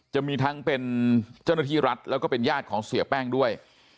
จะมีทั้งเป็นเจ้าหน้าที่รัฐแล้วก็เป็นญาติของเสียแป้งด้วย